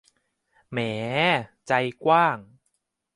แหม ใจกว้าง